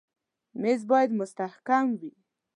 مېز باید مستحکم وي.